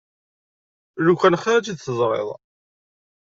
Lukan xir i tt-id-teẓriḍ!